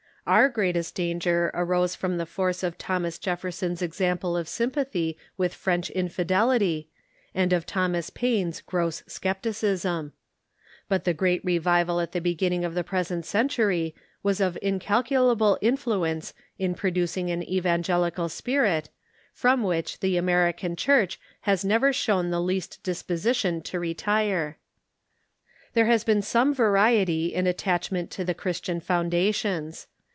Our greatest danger arose from the force of Thomas Jefferson's example of sympathy with French infidel ity, and of Thomas Paine's gross scepticism. But the great re _....,,.. vival at the beginning of the present century Christian Apologetics .^"^ of the was of incalculable influence in producing an American Church evangelical spirit, from which the American Church has never shown the least disposition to retire. There has been some variety in attachment to the Christian founda tions.